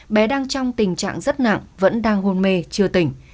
bé đang trong tình trạng rất nặng vẫn đang hôn mê chưa tỉnh